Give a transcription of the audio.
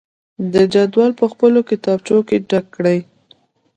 د جدول په خپلو کتابچو کې ډک کړئ.